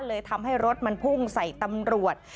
เลยทำให้รถมันพุ่งใส่ตำรวจ